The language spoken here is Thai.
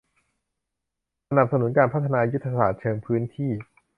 สนับสนุนการพัฒนายุทธศาสตร์เชิงพื้นที่